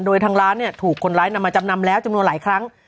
โดยทางร้านเนี่ยถูกคนร้ายนำมาจำนำแล้วจำนวนหลายครั้ง